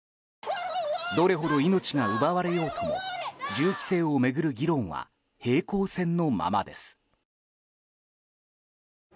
どれほど命が奪われようとも銃規制を巡る議論は平行線のままです。